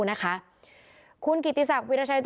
แม่น้องชมพู่แม่น้องชมพู่